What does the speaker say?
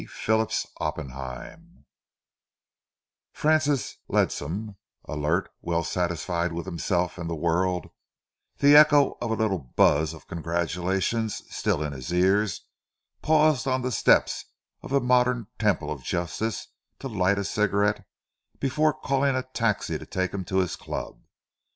Philips Oppenheim CHAPTER I Francis Ledsam, alert, well satisfied with himself and the world, the echo of a little buzz of congratulations still in his ears, paused on the steps of the modern Temple of Justice to light a cigarette before calling for a taxi to take him to his club.